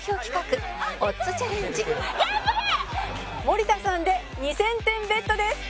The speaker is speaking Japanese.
森田さんで２０００点ベットです。